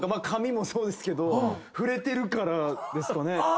髪もそうですけど触れてるからですかね。